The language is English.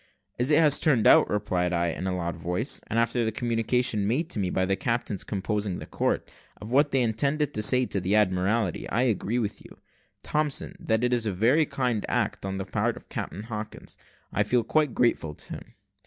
"As it has turned out," replied I, in a loud voice, "and after the communication made to me by the captains composing the court, of what they intend to say to the Admiralty, I agree with you, Thompson, that it is a very kind act on the part of Captain Hawkins, and I feel quite grateful to him."